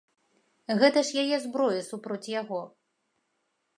Гэта ж яе зброя супроць яго.